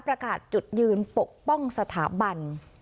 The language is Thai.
ประกาศจุดยืนปกป้องสถาบัน